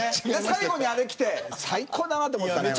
最後にあれきて最高だなと思ったね。